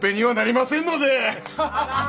ハハハハ！